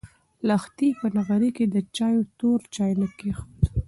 لښتې په نغري کې د چایو تور چاینک کېښود.